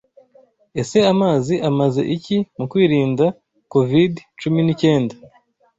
Ese amazi amaze iki mu kwirinda covid cumi n'icyenda?